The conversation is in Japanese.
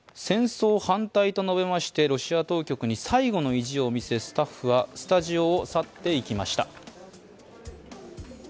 戦争反対と述べましてロシア当局に最後の意地を見せスタッフはスタジオを去っていきました。